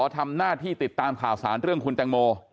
ทำหน้าที่ติดตามข่าวสารเรื่องคุณแตงโม